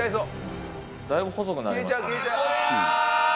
・だいぶ細くなりましたね・あぁ！